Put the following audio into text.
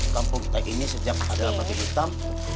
kampung kita ini sejak ada babi hitam